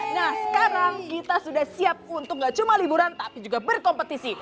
nah sekarang kita sudah siap untuk gak cuma liburan tapi juga berkompetisi